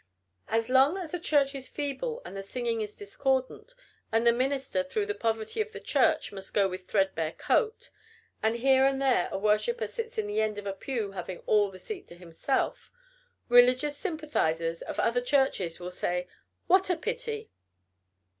As long as a church is feeble, and the singing is discordant, and the minister, through the poverty of the church, must go with threadbare coat, and here and there a worshipper sits in the end of a pew having all the seat to himself, religious sympathizers of other churches will say, "What a pity!"